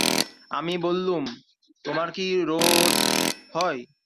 আমি বললুম, তোমার কী বোধ হয়?